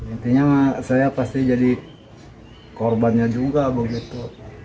intinya saya pasti jadi korbannya juga begitu